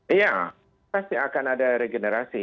iya pasti akan ada regenerasi